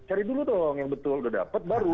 cari dulu dong yang betul udah dapet baru